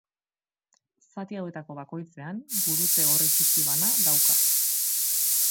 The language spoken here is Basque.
Zati hauetako bakoitzean gurutze gorri txiki bana dauka.